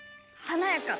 華やか。